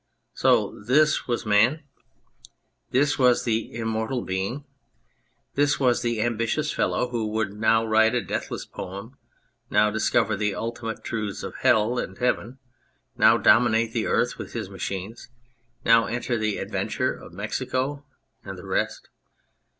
So this was man ! This was the immortal being ! This was the ambitious fellow who would now write a deathless poem, now discover the ultimate truths of Hell and Heaven ; now dominate the earth with his machines, now enter the adventure of Mexico and the rest